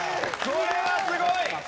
これはすごい！